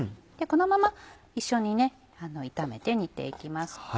このまま一緒に炒めて煮て行きまして。